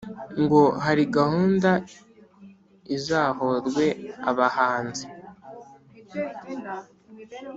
Ngo hari gahunda Izahorwe abahanzi